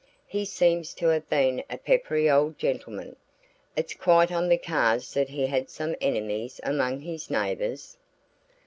He seems to have been a peppery old gentleman. It's quite on the cards that he had some enemies among his neighbors?"